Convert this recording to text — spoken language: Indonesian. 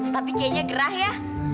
tapi kayaknya gerah ya